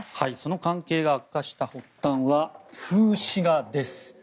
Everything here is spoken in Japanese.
関係が悪化した原因は風刺画です。